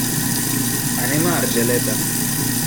Anem a Argeleta.